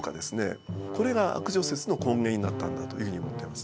これが悪女説の根源になったんだというふうに思ってます。